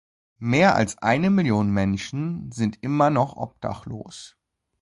Mehr als eine Million Menschen sind immer noch obdachlos.